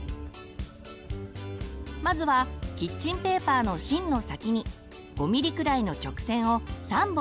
まずはキッチンペーパーの芯の先に５ミリくらいの直線を３本引きます。